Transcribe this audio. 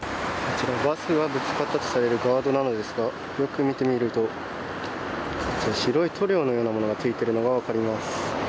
バスがぶつかったとされるガードなのですがよく見てみると白い塗料のようなものが付いているのが分かります。